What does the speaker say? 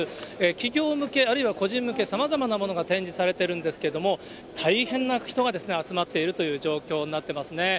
企業向け、あるいは個人向け、さまざまなものが展示されてるんですけれども、大変な人が集まっているという状況になってますね。